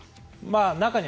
中には。